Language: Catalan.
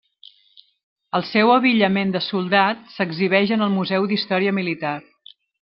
El seu abillament de soldat s'exhibeix en el Museu d'Història Militar.